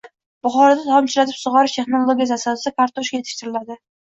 Buxoroda tomchilatib sug‘orish texnologiyasi asosida kartoshka yetishtiriladi